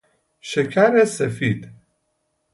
شکر سفید